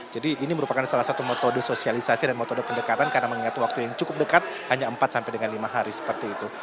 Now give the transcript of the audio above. jadi ini merupakan salah satu metode sosialisasi dan metode pendekatan karena mengingat waktu yang cukup dekat hanya empat sampai dengan lima hari seperti itu